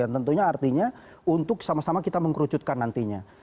yang tentunya artinya untuk sama sama kita mengerucutkan nantinya